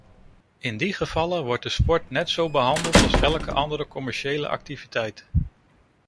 In die gevallen wordt de sport net zo behandeld als elke andere commerciële activiteit.